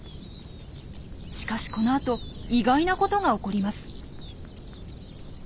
しかしこのあと意外なことが起こります。